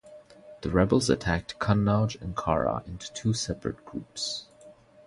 The rebels attacked Kannauj and Kara into two separate groups.